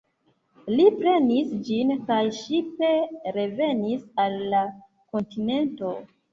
Li prenis ĝin, kaj ŝipe revenis al la kontinento.